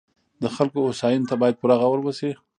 د خلکو هوساینې ته باید پوره غور وشي.